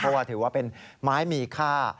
เพราะว่าถือว่าเป็นไม้มีค่า